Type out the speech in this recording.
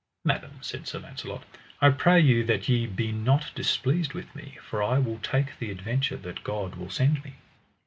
Madam, said Sir Launcelot, I pray you that ye be not displeased with me, for I will take the adventure that God will send me.